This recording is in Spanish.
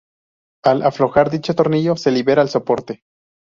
Al aflojar dicho tornillo, se libera el soporte.